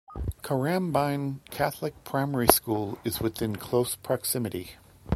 Currambine Catholic Primary School is within close proximity.